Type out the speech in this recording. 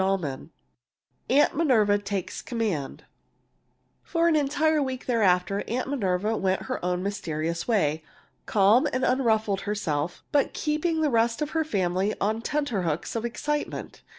CHAPTER XX AUNT MINERVA TAKES COMMAND For an entire week thereafter Aunt Minerva went her own mysterious way, calm and unruffled herself, but keeping the rest of her family on tenter hooks of excitement.